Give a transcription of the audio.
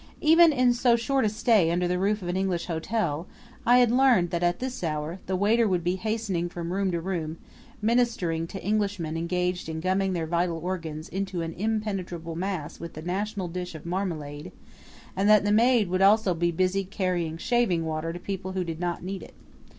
Even in so short a stay under the roof of an English hotel I had learned that at this hour the waiter would be hastening from room to room, ministering to Englishmen engaged in gumming their vital organs into an impenetrable mass with the national dish of marmalade; and that the maid would also be busy carrying shaving water to people who did not need it.